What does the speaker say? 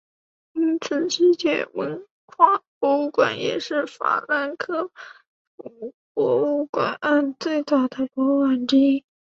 因此世界文化博物馆也是法兰克福博物馆岸最早的博物馆之一。